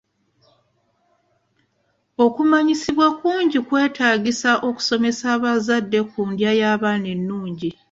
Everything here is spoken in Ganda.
Okumanyisibwa kungi kwetaagisa okusomesa abazadde ku ndya y'abaana ennungi.